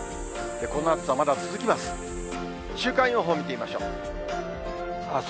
この暑さまだ続きます。